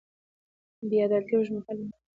بې عدالتي اوږدمهاله نه وي